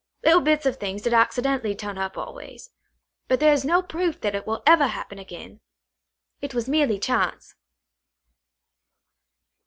"little bits of things did accidentally turn up always. But there is no proof that it will ever happen again. It was merely chance!"